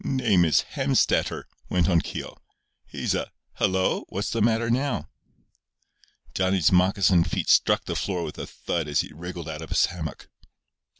"Name is Hemstetter," went on Keogh. "He's a— Hello! what's the matter now?" Johnny's moccasined feet struck the floor with a thud as he wriggled out of his hammock.